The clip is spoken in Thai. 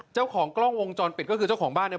เจ้าของกล้องวงจรปิดก็คือเจ้าของบ้านเนี่ย